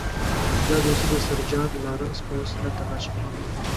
دا دوستي د سر جان لارنس په وسیله ترلاسه شوه.